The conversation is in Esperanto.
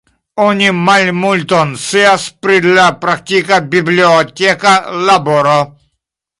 Oni malmulton scias pri la praktika biblioteka laboro.